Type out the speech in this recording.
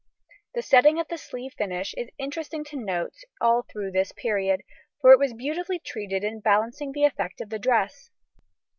The setting of the sleeve finish is interesting to note all through this period, for it was beautifully treated in balancing the effect of the dress.